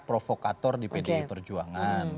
provokator di pdi perjuangan